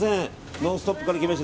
「ノンストップ！」から来ました